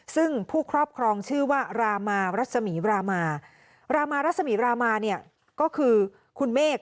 ซึ่งผู้ครอบครองชื่อว่ารามารัศมีรามารามารัศมีรามาเนี่ยก็คือคุณเมฆ